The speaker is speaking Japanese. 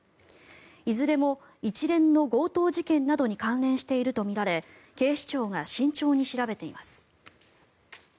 いずれも一連の強盗事件などに関連しているとみられ警視庁が慎重に調べています。